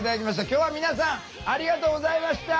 今日は皆さんありがとうございました！